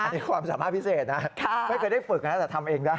อันนี้ความสามารถพิเศษนะไม่เคยได้ฝึกนะแต่ทำเองได้